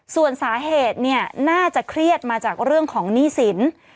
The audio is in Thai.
ส่วนสาเหตุเนี่ยน่าจะเครียดมาจากเรื่องของหนี้สิน